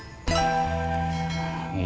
iya itu juga maksud gue